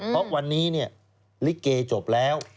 เพราะวันนี้เนี่ยริเกศ์จบแล้ว